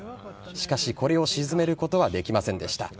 しかし、これを沈めることはできませんでした。